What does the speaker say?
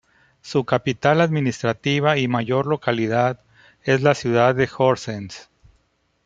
Su capital administrativa y mayor localidad es la ciudad de Horsens.